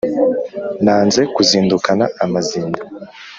nanze kuzindukana amazinda